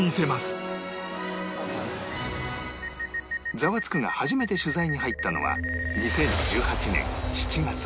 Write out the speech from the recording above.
『ザワつく！』が初めて取材に入ったのは２０１８年７月